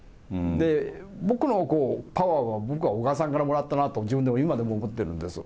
僕のパワーは、僕は小川さんからもらったなと、自分でも、今でも思ってるんです。